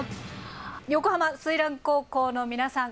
横浜翠嵐高校の皆さん